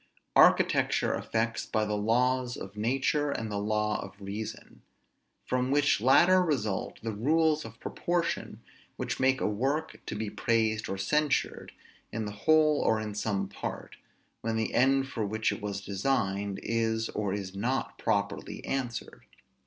Architecture affects by the laws of nature and the law of reason; from which latter result the rules of proportion, which make a work to be praised or censured, in the whole or in some part, when the end for which it was designed is or is not properly answered.